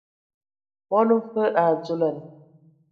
Mɔn mfǝ a dzolan.